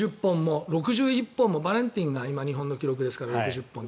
６１本もバレンティンが今日本の記録で６０本ですから。